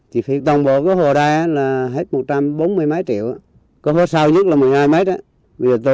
thì phía đồng bộ cái hồ đây là hết một trăm bốn mươi mái triệu có phố sau nhất là một mươi hai mét